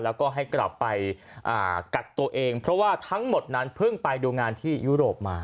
แล้วก็ให้กลับไปกักตัวเองเพราะว่าทั้งหมดนั้นเพิ่งไปดูงานที่ยุโรปมา